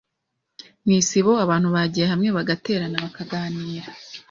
Mu isibo abantu bagiye hamwe bagaterana bakaganira,